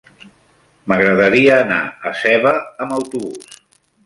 M'agradaria anar a Seva amb autobús.